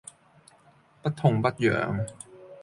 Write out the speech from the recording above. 不痛不癢